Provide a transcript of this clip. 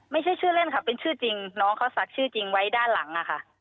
ไม่ใช่ชื่อเล่นเป็นชื่อจริงน้องเขาสักชื่อจริงไว้ด้านหลัง